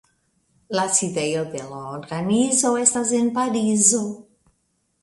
La sidejo de la organizo estas en Parizo.